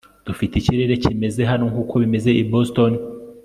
dufite ikirere kimeze hano nkuko bimeze i boston